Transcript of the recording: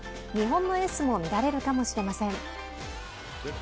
日本のエースも見られるかもしれません。